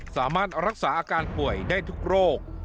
สามารถรักษาอาการป่วยได้ทุกโรค